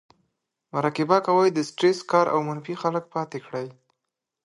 مراقبه کوي , د سټرېس کار او منفي خلک پاتې کړي